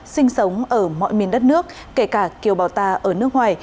sinh sống ở mọi miền đất nước kể cả kiều bào ta ở nước ngoài